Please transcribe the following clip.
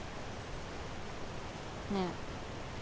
ねえ。